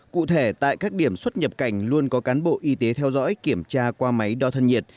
cụ thể tại các điểm xuất nhập cảnh luôn có cán bộ y tế theo dõi kiểm tra qua máy đo thân nhiệt